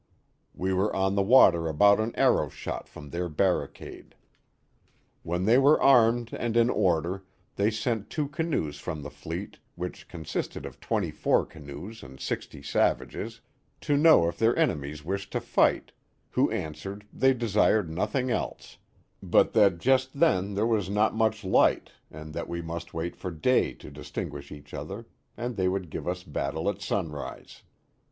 We were on the water about an arrow shot from their barricade. \yhen they were armed and in order, they sent two canoes from the fleet, which consisted of twenty four canoes and sixty savages, to know if their enemies wished to fight, who answered they desired nothing else; but that just then there was not much light, and that we must wait for day to distinguish each other, and they would give us battle at sunrise.